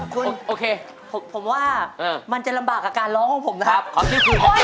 คุณโอเคผมว่ามันจะลำบากกับการร้องของผมนะครับ